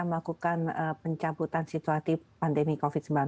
melakukan pencabutan situasi pandemi covid sembilan belas